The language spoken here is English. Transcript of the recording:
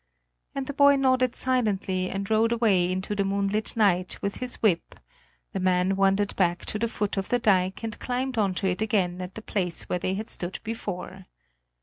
And the boy nodded silently and rowed away into the moonlit night with his whip; the man wandered back to the foot of the dike and climbed on to it again at the place where they had stood before.